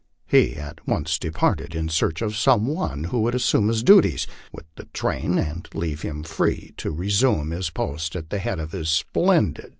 He at once departed in search of some one who would assume his duties with the train and leave him free to resume his post at the head of his splendid LIFE ON THE PLAINS.